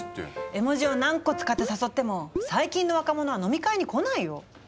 絵文字を何個使って誘っても最近の若者は飲み会に来ないよ。